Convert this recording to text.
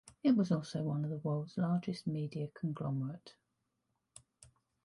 It was also once the world's largest media conglomerate.